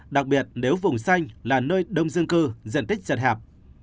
đặc biệt nếu vùng xanh là nơi đông dương cư diện tích chật hẹp